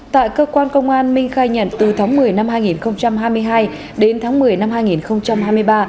tại cơ quan công an minh khai nhận từ tháng một mươi năm hai nghìn hai mươi hai đến tháng một mươi năm hai nghìn hai mươi ba